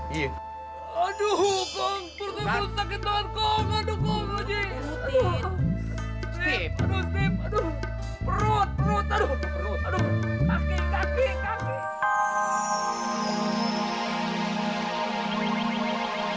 perutnya sakit banget kong